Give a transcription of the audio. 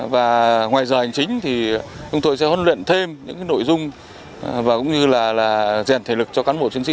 và ngoài giờ hành chính thì chúng tôi sẽ huấn luyện thêm những nội dung và cũng như là rèn thể lực cho cán bộ chiến sĩ